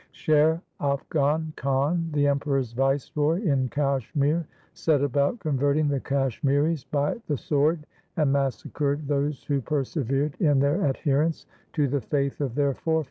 Sher Afghan Khan, the Emperor's viceroy in Kashmir, set about converting the Kashmiris by the sword and massacred those who persevered in their adherence to the faith of their forefathers.